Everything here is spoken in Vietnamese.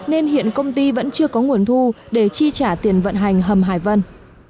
nên hiện công ty vẫn chưa có nguồn thu để chi trả tiền vận hành hầm hải vân